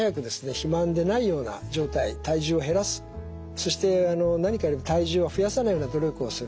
肥満でないような状態体重を減らすそして体重を増やさないような努力をする。